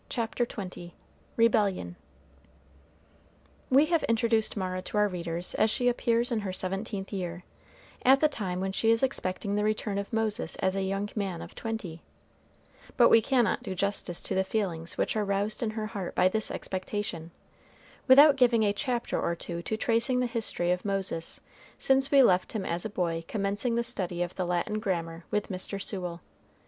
CHAPTER XX REBELLION We have introduced Mara to our readers as she appears in her seventeenth year, at the time when she is expecting the return of Moses as a young man of twenty; but we cannot do justice to the feelings which are roused in her heart by this expectation, without giving a chapter or two to tracing the history of Moses since we left him as a boy commencing the study of the Latin grammar with Mr. Sewell.